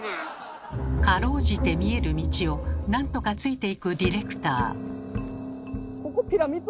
かろうじて見える道を何とかついていくディレクター。